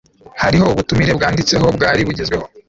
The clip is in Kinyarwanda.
hariho ubutumire bwanditseho, bwari bugezweho